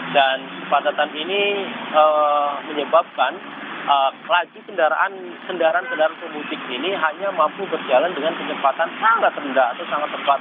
dan kepadatan ini menyebabkan lagi kendaraan kendaraan pemutik ini hanya mampu berjalan dengan kecepatan sangat rendah atau sangat terpatat